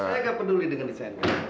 saya gak peduli dengan desain kamu